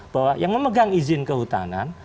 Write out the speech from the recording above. bahwa yang memegang izin kehutanan